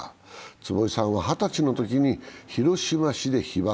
坪井さんは二十歳のときに広島市で被爆。